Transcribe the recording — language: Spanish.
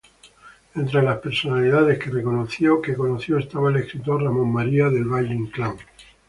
Entre las personalidades que conoció estaba el escritor Ramón María del Valle Inclán.